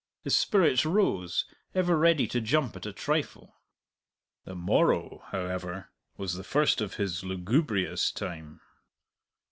His spirits rose, ever ready to jump at a trifle. The morrow, however, was the first of his lugubrious time.